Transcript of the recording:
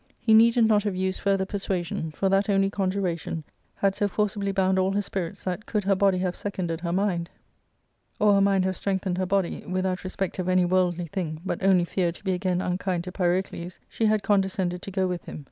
He needed not have used further persuasion, for that only conjuration had so forcibly bound all her spirits that, could her body, have seconded her mind, or her mind have ARCADIA.^Bock IIL 411 strengthened her body, without respect of any wbrldly thing, but only fear to be again unkind to Pyrocles, she had con descended to go with him.